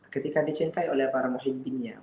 ketika dicintai oleh para pemimpinnya